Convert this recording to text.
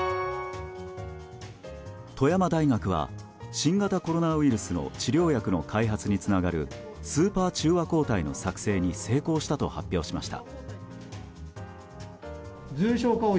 富山大学は新型コロナウイルスの治療薬の開発につながるスーパー中和抗体の作製に成功したと発表しました。